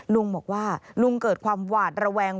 ลุงบอกว่าลุงเกิดความหวาดระแวง